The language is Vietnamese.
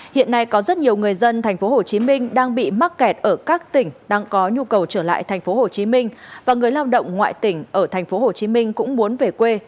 hiện nay có rất nhiều người dân tp hcm đang bị mắc kẹt ở các tỉnh đang có nhu cầu trở lại tp hcm và người lao động ngoại tỉnh ở tp hcm cũng muốn về quê